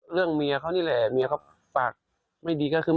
เรื่องเมียเค้านี่แหละเมียเค้าปากไม่ดีก็คือ